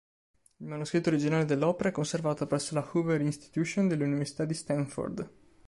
Il manoscritto originale dell'opera è conservato presso la "Hoover Institution" dell'Università di Stanford.